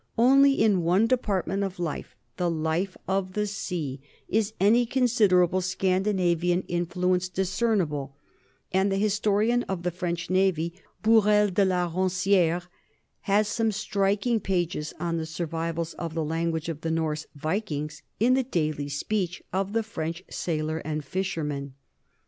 Only in one department of life, the life of the sea, is any con siderable Scandinavian influence discernible, and the historian of the French navy, Bourel de la Ronciere, has some striking pages on the survivals of the language of the Norse Vikings in the daily speech of the French sailor and fisherman.